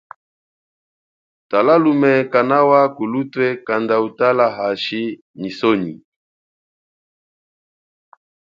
Tala lume kanawa kulutwe kanda utala hashi nyi sonyi.